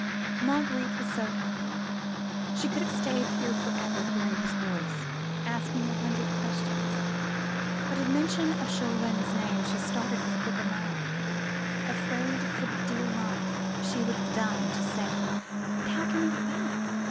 Marguerite was so happy, she could have stayed here for ever, hearing his voice, asking a hundred questions. But at mention of Chauvelin's name she started in quick alarm, afraid for the dear life she would have died to save. "But how can we get back?"